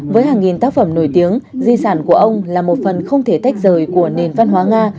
với hàng nghìn tác phẩm nổi tiếng di sản của ông là một phần không thể tách rời của nền văn hóa nga